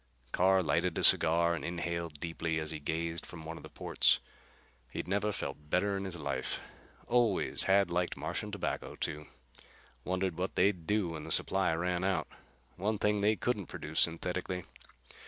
Carr lighted a cigar and inhaled deeply as he gazed from one of the ports. He'd never felt better in his life. Always had liked Martian tobacco, too. Wondered what they'd do when the supply ran out. One thing they couldn't produce synthetically.